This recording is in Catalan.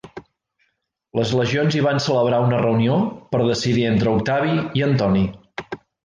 Les legions hi van celebrar una reunió per decidir entre Octavi i Antoni.